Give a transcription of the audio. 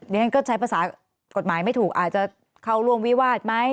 ฉันก็ใช้ภาษากฎหมายไม่ถูกอาจจะเข้าร่วมวิวาสไหม